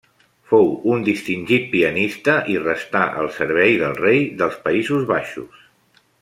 Fou un distingit pianista i restà al servei del rei dels Països Baixos.